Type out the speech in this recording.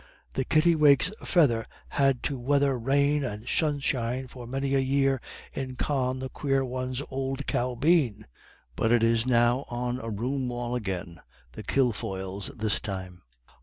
The kittiwake's feather had to weather rain and sunshine for many a year in Con the Quare One's old caubeen; but it is now on a room wall again, the Kilfoyles' this time.